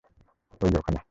এই যে এখানে।